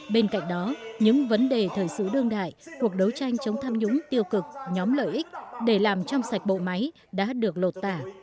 bên cạnh đó những vấn đề thời sự đương đại cuộc đấu tranh chống tham nhũng tiêu cực nhóm lợi ích để làm trong sạch bộ máy đã được lột tả